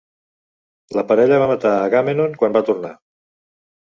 La parella va matar Agamemnon quan va tornar.